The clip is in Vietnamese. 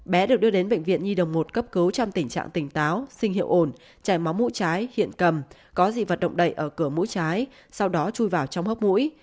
bé được đưa đến bệnh viện nhi đồng một cấp cứu trong tình trạng tỉnh táo sinh hiệu ổn chảy máu mũi trái hiện cầm có dị vật rộng đẩy ở cửa mũi trái sau đó chui vào trong hốc mũi